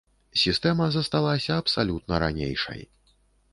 Сістэма засталася абсалютна ранейшай.